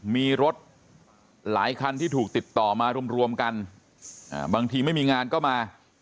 มีรถหลายคันที่ถูกติดต่อมารวมกันบางทีไม่มีงานก็มา